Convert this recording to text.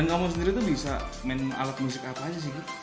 dan kamu sendiri tuh bisa main alat musik apa aja sih kak